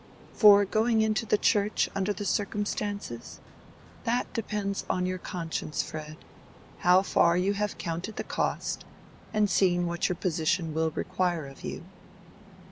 "For going into the Church under the circumstances? That depends on your conscience, Fred—how far you have counted the cost, and seen what your position will require of you.